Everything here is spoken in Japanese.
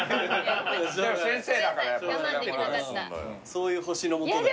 そういう星の下で。